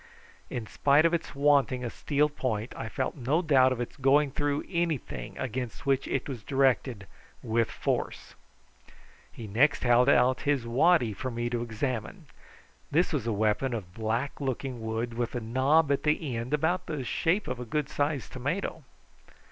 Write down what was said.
In spite of its wanting a steel point I felt no doubt of its going through anything against which it was directed with force. He next held out his waddy to me to examine. This was a weapon of black looking wood, with a knob at the end about the shape of a good sized tomato.